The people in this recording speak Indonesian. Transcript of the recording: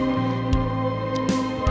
jangan lupa untuk mencoba